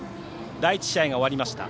第１試合が終わりました。